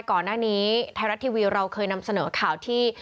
ก่อนหน้านี้ไทยรัฐทีวีเราเคยนำเสนอข่าวที่